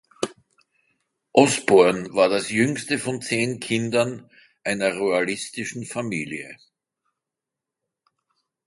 Osborne war das jüngste von zehn Kindern einer royalistischen Familie.